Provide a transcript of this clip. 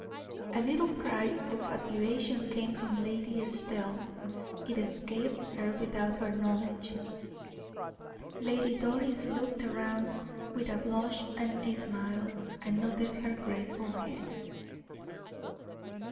A little cry of admiration came from Lady Estelle; it escaped her without her knowledge. Lady Doris looked round with a blush and a smile, and nodded her graceful head.